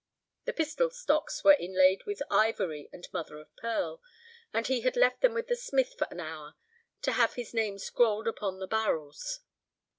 The pistol stocks were inlaid with ivory and mother of pearl, and he left them with the smith for an hour to have his name scrolled upon the barrels.